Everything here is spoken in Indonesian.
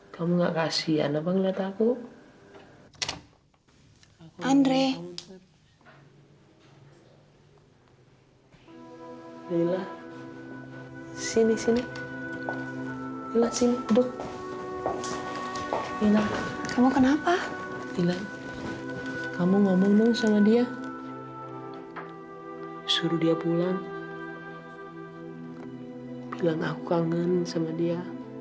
kok orang orang pada suka ya